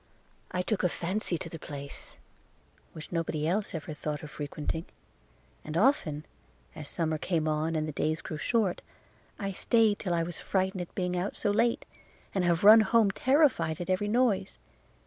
– I took a fancy to the place, which nobody else ever thought of frequenting; and often, as autumn came on, and the days grew short, I staid till I was frightened at being out so late, and have run home terrified at every noise.